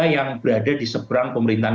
yang berada di seberang pemerintahan